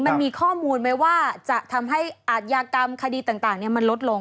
มันมีข้อมูลไหมว่าจะทำให้อาทยากรรมคดีต่างมันลดลง